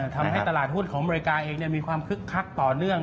ทำให้ตลาดหุ้นของอเมริกาเองมีความคึกคักต่อเนื่อง